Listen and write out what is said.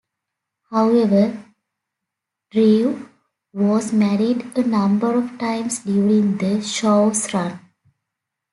However, Drew was married a number of times during the show's run.